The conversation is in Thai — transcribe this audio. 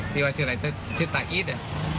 พี่บอกชื่ออะไรชื่อตาอิ๊ดอะ